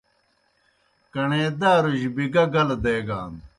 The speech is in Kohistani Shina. کݨے داروْجیْ بِگا گلہ دیگان۔